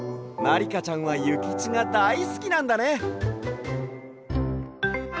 まりかちゃんはゆきちがだいすきなんだね！